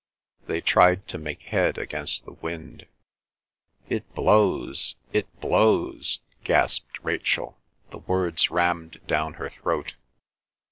They tried to make head against the wind. "It blows—it blows!" gasped Rachel, the words rammed down her throat.